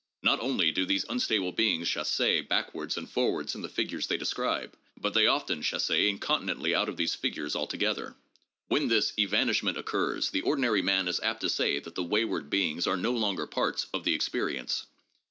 Not only do these unstable beings chasse back wards and forwards in the figures they describe, but they often chasse incontinently out of these figures altogether. When this evanishment occurs, the ordinary man is apt to say that the wayward beings are no longer parts of the experience.